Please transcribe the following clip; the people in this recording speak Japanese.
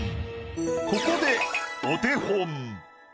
ここでお手本。